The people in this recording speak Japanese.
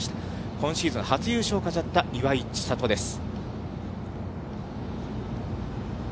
今シーズン初優勝を飾った岩井千怜です。